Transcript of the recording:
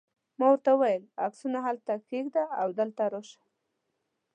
ما ورته وویل: عکسونه هلته کښېږده او دلته راشه.